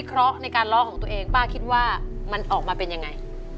คุณคุณคิดว่าออกมาเป็นยังไง